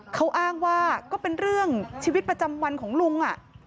เขาอ้างว่าก็เป็นเรื่องชีวิตประจำวันของลุง